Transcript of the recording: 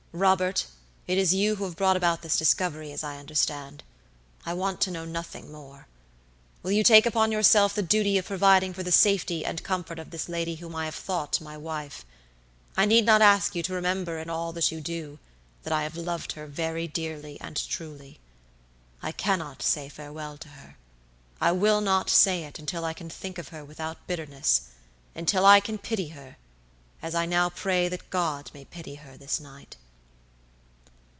Robert, it is you who have brought about this discovery, as I understand. I want to know nothing more. Will you take upon yourself the duty of providing for the safety and comfort of this lady whom I have thought my wife? I need not ask you to remember in all you do, that I have loved her very dearly and truly. I cannot say farewell to her. I will not say it until I can think of her without bitternessuntil I can pity her, as I now pray that God may pity her this night."